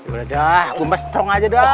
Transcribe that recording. udah dah gua mbak strong aja dah